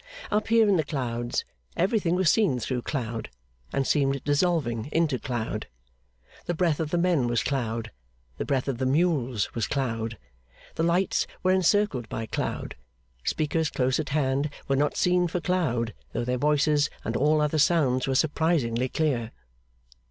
Up here in the clouds, everything was seen through cloud, and seemed dissolving into cloud. The breath of the men was cloud, the breath of the mules was cloud, the lights were encircled by cloud, speakers close at hand were not seen for cloud, though their voices and all other sounds were surprisingly clear.